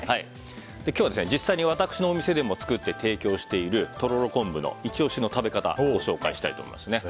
今日は実際に私のお店でも作って提供しているとろろ昆布のイチ押しの食べ方をご紹介したいと思います。